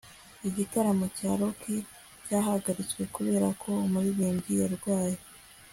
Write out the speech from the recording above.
igitaramo cya rock cyahagaritswe kubera ko umuririmbyi yarwaye